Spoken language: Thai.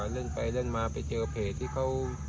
เล่นไปเล่นมาไปเจอเพจที่เขา